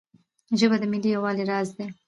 ژبه د ملي یووالي راز دی.